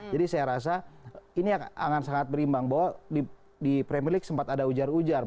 saya rasa ini akan sangat berimbang bahwa di premier league sempat ada ujar ujar